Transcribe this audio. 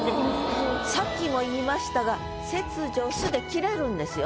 さっきも言いましたが「切除す」で切れるんですよ。